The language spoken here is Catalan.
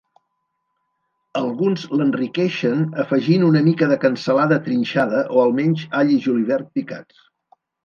Alguns l'enriqueixen afegint una mica de cansalada trinxada o almenys all i julivert picats.